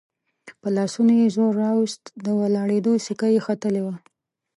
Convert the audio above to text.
پر لاسونو يې زور راووست، د ولاړېدو سېکه يې ختلې وه.